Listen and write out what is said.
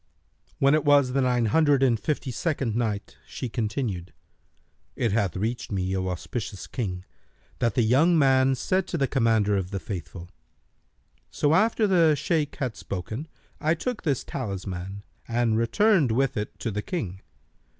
When it was the Nine Hundred and Fifty second Night, She continued, It hath reached me, O auspicious King, that the young man said to the Commander of the Faithful, "'So after the Shaykh had spoken, I took this talisman and returned with it to the King.